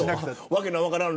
訳の分からん